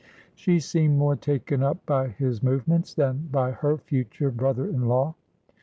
She seemed more taken up by his move ments than by her future brother in law.